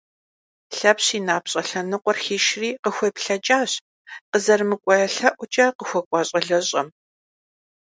Лъэпщ и напщӏэ лъэныкъуэр хишри, къыхуеплъэкӏащ къызэрымыкӏуэ лъэӏукӏэ къыхуэкӏуа щӏалэщӏэм.